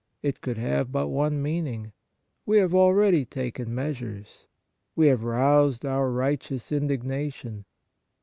It could have but one mean ing. We have already taken measures. We have roused our righteous indignation.